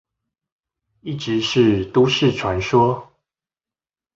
一直是都市傳說